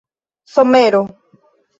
somero